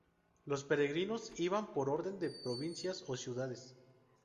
Los peregrinos iban por orden de provincias o ciudades.